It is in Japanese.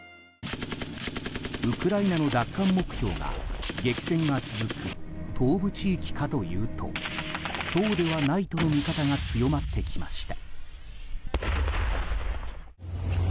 ウクライナの奪還目標が激戦が続く東部地域かというとそうではないとの見方が強まってきました。